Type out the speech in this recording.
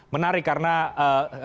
menarik karena disitu